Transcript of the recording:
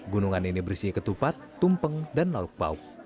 gunungan ini bersih ketupat tumpeng dan laluk bauk